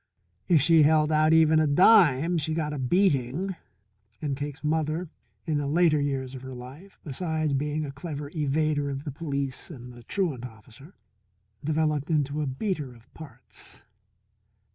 If she held out even a dime, she got a beating. And Cake's mother, in the later years of her life, besides being a clever evader of the police and the truant officer, developed into a beater of parts.